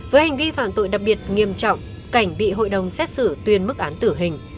với hành vi phạm tội đặc biệt nghiêm trọng cảnh bị hội đồng xét xử tuyên mức án tử hình